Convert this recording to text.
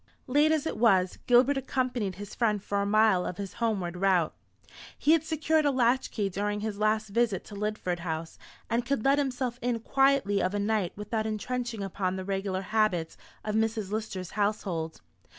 Late as it was, Gilbert accompanied his friend for a mile of his homeward route. He had secured a latch key during his last visit to Lidford House, and could let himself in quietly of a night without entrenching upon the regular habits of Mrs. Lister's household.